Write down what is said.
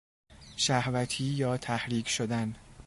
شهوتی یا تحریک شدن